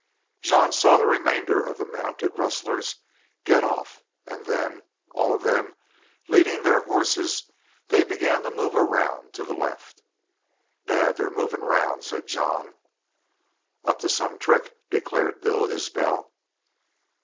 Jean saw the remainder of the mounted rustlers get off, and then, all of them leading their horses, they began to move around to the left. "Dad, they're movin' round," said Jean. "Up to some trick," declared Bill Isbel.